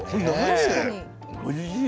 おいしい。